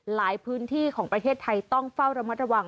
หลายพื้นที่ของประเทศไทยต้องเฝ้าระมัดระวัง